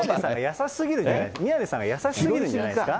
宮根さんが優しすぎるんじゃないですか。